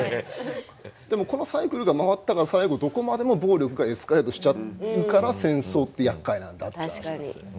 でもこのサイクルが回ったが最後どこまでも暴力がエスカレートしちゃうから戦争ってやっかいなんだって話なんですね。